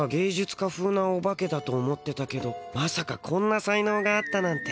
家ふうなオバケだと思ってたけどまさかこんな才のうがあったなんて。